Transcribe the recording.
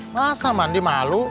masa mandi malu